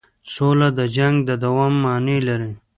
سوله د جنګ د دوام معنی لري.